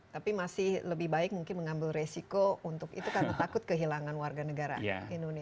tapi masih lebih baik mungkin mengambil resiko untuk itu karena takut kehilangan warga negara indonesia